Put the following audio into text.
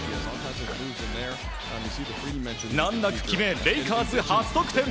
難なく決め、レイカーズ初得点。